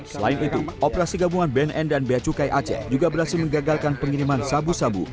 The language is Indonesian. selain itu operasi gabungan bnn dan beacukai aceh juga berhasil menggagalkan pengiriman sabu sabu